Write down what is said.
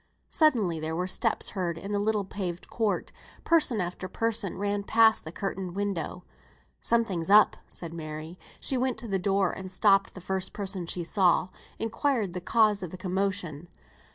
Suddenly there were steps heard in the little paved court; person after person ran past the curtained window. "Something's up," said Mary. She went to the door and stopping the first person she saw, inquired the cause of the commotion.